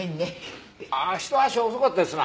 ひと足遅かったですな。